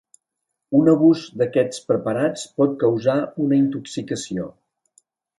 Un abús d'aquests preparats pot causar una intoxicació.